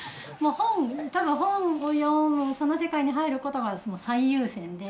ただ本を読むその世界に入ることが最優先で。